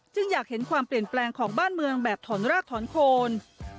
อยากเห็นความเปลี่ยนแปลงของบ้านเมืองแบบถอนรากถอนโคน